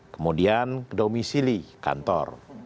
kemudian domisili kantor